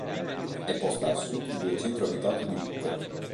È posta a sud del centro abitato di Lucca.